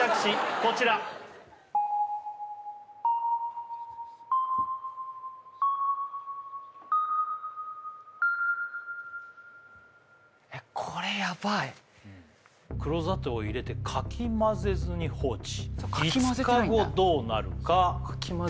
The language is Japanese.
こちらえっこれヤバい黒砂糖を入れてかき混ぜずに放置かき混ぜてないんだよ